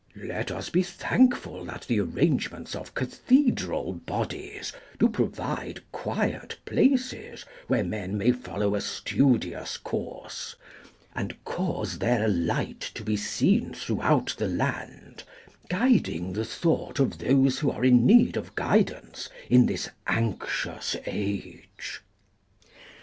Let us be thankful that the arrangements of cathedral bodies do provide quiet places where men may follow a studious course, and cause their light to be seen throughout the land, guiding the thought of those who are in need of guidance in this anxious age."